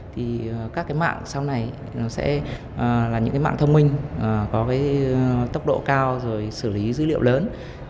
thì các mạng sau này sẽ là những mạng thông minh có tốc độ cao rồi xử lý dữ liệu lớn